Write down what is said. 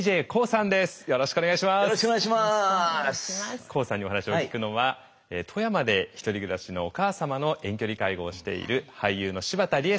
ＫＯＯさんにお話を聞くのは富山で一人暮らしのお母様の遠距離介護をしている俳優の柴田理恵さんです。